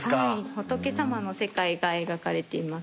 仏様の世界が描かれています。